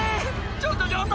ちょっとちょっと！